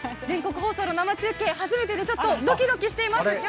全国放送の生中継、初めてでドキドキしています。